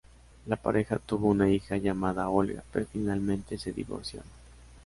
La pareja tuvo una hija llamada Olga, pero finalmente se divorciaron.